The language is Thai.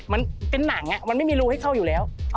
มันเป็นหนังมันไม่มีรูให้เข้าอยู่แล้ว